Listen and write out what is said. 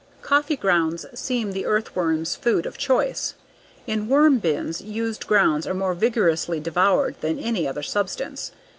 Coffee grounds seem the earthworm's food of choice. In worm bins, used grounds are more vigorously devoured than any other substance.